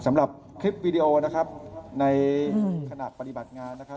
สำหรับคลิปวีดีโอนะครับในขณะปฏิบัติงานนะครับ